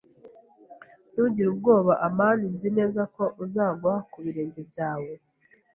[S] Ntugire ubwoba. amani. Nzi neza ko uzagwa ku birenge byawe.